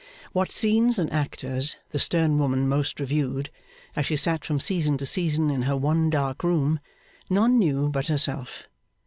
What scenes and actors the stern woman most reviewed, as she sat from season to season in her one dark room, none knew but herself.